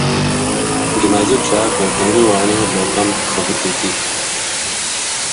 جنازو چا کے ڈیرے آنیو لوکاں نا خبر دِتی